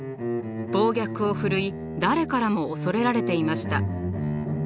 暴虐をふるい誰からも恐れられていました。